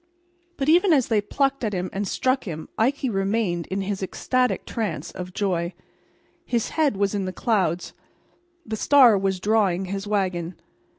But even as they plucked at him and struck him Ikey remained in his ecstatic trance of joy. His head was in the clouds; the star was drawing his wagon.